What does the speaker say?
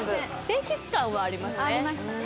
清潔感はありますね。